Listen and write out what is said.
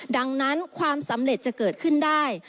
ดังนั้นความสำเร็จจะเกิดขึ้นได้